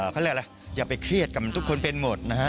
เขาเรียกอะไรอย่าไปเครียดกับทุกคนเป็นหมดนะฮะ